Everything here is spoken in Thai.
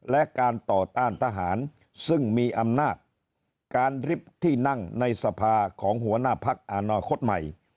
และการต่อต้านทหารซึ่งมีอำนาจการริบที่นั่งในสภาของหัวหน้าพักอนาคตใหม่